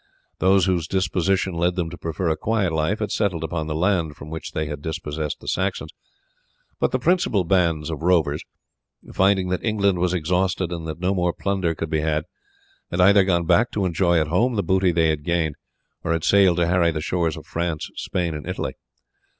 Those whose disposition led them to prefer a quiet life had settled upon the land from which they had dispossessed the Saxons; but the principal bands of rovers, finding that England was exhausted and that no more plunder could be had, had either gone back to enjoy at home the booty they had gained, or had sailed to harry the shores of France, Spain, and Italy.